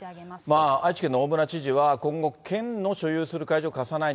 愛知県の大村知事は、今後、県の所有する会場を貸さない。